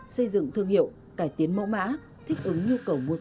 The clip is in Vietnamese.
xây dựng thương hiệu cải tiến mẫu mã thích ứng nhu cầu mua sắm của người tiêu dùng